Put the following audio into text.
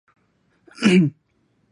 Lisa, tras la primera consulta, sana.